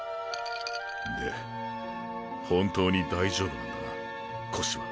で本当に大丈夫なんだな腰は。